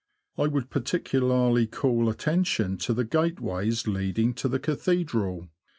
I would particularly call attention to the gateways leading to the Cathedral.